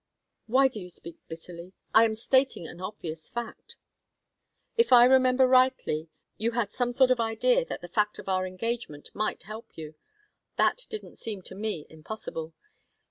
"Why do you speak bitterly? I am stating an obvious fact." "If I remember rightly, you had some sort of idea that the fact of our engagement might help you. That didn't seem to me impossible.